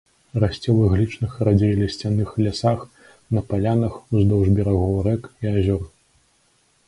Расце ў іглічных, радзей лісцяных лясах на палянах, уздоўж берагоў рэк і азёр.